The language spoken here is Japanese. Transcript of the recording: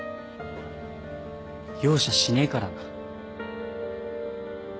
容赦しねえからな。